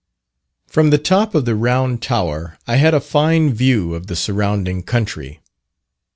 From the top of the Round Tower I had a fine view of the surrounding country.